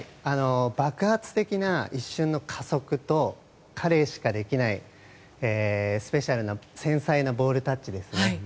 爆発的な一瞬の加速と彼しかできないスペシャルな繊細なボールタッチですね。